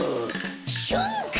しゅんか！